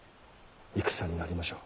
戦になりましょう。